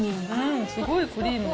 すごいクリーミー。